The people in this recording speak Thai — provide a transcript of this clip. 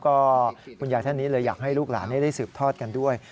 ก็คุณยายท่านนี้เลยอยากให้ลูกหลานได้สืบทอดกันด้วย